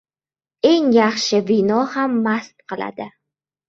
• Eng yaxshi vino ham mast qiladi.